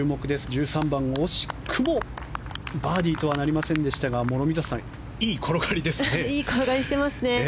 １３番惜しくもバーディーとはなりませんでしたが諸見里さんいい転がりしてますね。